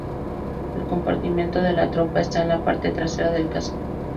El compartimiento de la tropa está en la parte trasera del casco.